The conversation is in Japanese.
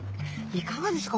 いかがですか？